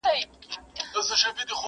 په څپو د اباسین دي خدای لاهو کړه کتابونه٫